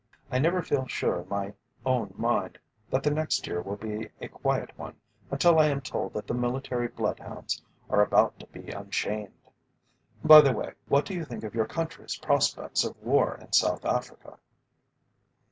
I never feel sure in my own mind that the next year will be a quiet one until I am told that the military bloodhounds are about to be unchained. By the way, what do you think of your country's prospects of war in South Africa?"